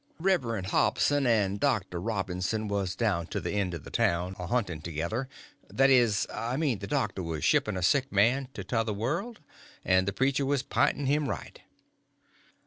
Rev. Hobson and Dr. Robinson was down to the end of the town a hunting together—that is, I mean the doctor was shipping a sick man to t'other world, and the preacher was pinting him right.